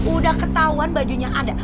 udah ketahuan bajunya ada